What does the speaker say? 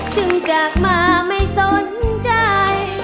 จากมาไม่สนใจ